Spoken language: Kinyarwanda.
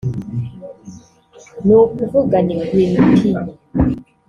ni ukuvuga ni Green P